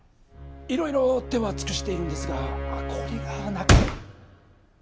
いろいろ手は尽くしているんですがこれがなかなか。